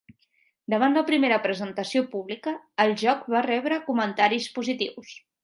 Davant la primera presentació pública, el joc va rebre comentaris positius.